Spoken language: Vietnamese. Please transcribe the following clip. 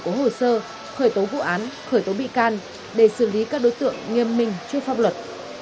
các đối tượng có hồ sơ khởi tố vụ án khởi tố bị can để xử lý các đối tượng nghiêm minh trước pháp luật